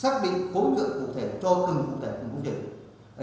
xác định khối trực cụ thể cho từng công trình